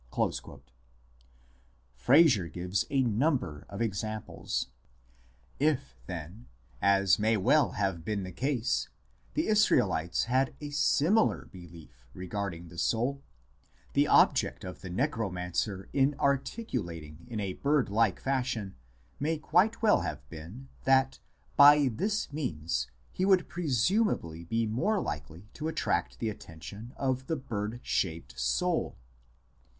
l Frazer gives a number of examples. If, then, as may well have been the case, the Israelites had a similar belief regarding the soul, the object of the necromancer in articulating in a bird like fashion may quite well have been that by this means he would presumably be more likely to attract the atten tion of the bird shaped soul.